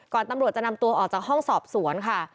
ตำรวจจะนำตัวออกจากห้องสอบสวนค่ะ